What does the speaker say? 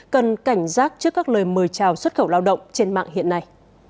cần cảnh giác trước các lời mời chào xuất khẩu lao động trên mạng hiện nay